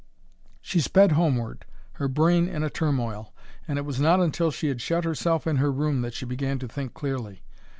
She sped homeward, her brain in a turmoil, and it was not until she had shut herself in her room that she began to think clearly.